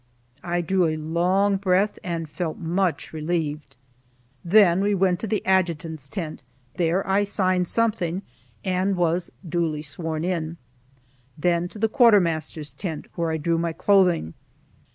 I drew a long breath, and felt much relieved. Then we went to the adjutant's tent, there I signed something, and was duly sworn in. Then to the quartermaster's tent, where I drew my clothing.